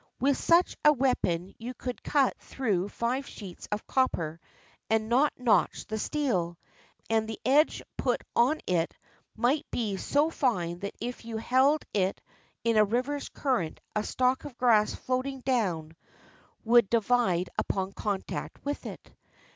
With such a weapon you could cut through five sheets of copper and not notch the steel, and the edge put on it might be so fine that if you held it in a river's current a stalk of grass floating down would 384 THE SWORD OF JAPAN divide upon contact with it.